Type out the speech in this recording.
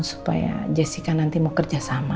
supaya jessica nanti mau kerja sama